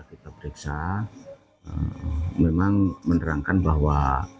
kita periksa memang menerangkan bahwa